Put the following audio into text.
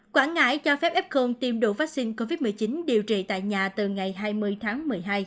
quảng ngãi cho phép f tiêm đủ vaccine covid một mươi chín điều trị tại nhà từ ngày hai mươi tháng một mươi hai